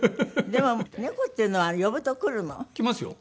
でも猫っていうのは呼ぶと来るの？来ますよ。